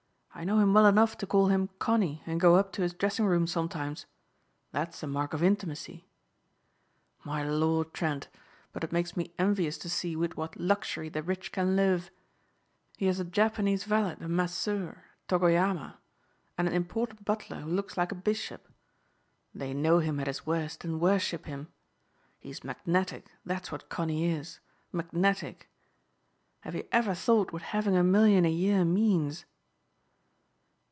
I know him well enough to call him 'Connie' and go up to his dressing room sometimes. That's a mark of intimacy. My Lord, Trent, but it makes me envious to see with what luxury the rich can live. He has a Japanese valet and masseur, Togoyama, and an imported butler who looks like a bishop. They know him at his worst and worship him. He's magnetic, that's what Connie is, magnetic. Have you ever thought what having a million a year means?"